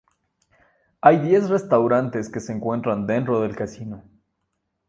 Hay diez restaurantes que se encuentran dentro del casino.